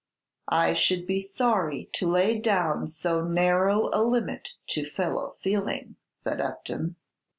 "I should be sorry to lay down so narrow a limit to fellow feeling," said Upton.